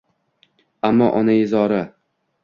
Ammo onaizori